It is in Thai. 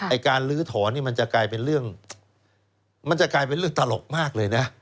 ไอ้การลื้อถอนมันจะกลายเป็นเรื่องรึกตลกมากเลยนะ